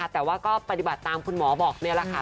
แต่ว่าก็ปฏิบัติตามคุณหมอบอกนี่แหละค่ะ